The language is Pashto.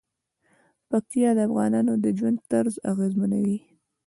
پکتیا د افغانانو د ژوند طرز اغېزمنوي.